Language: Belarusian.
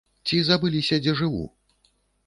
Ці забыліся, дзе жыву?